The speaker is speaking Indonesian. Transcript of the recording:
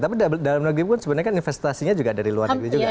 tapi dalam negeri pun sebenarnya kan investasinya juga dari luar negeri juga